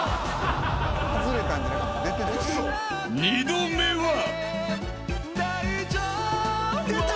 ［２度目は］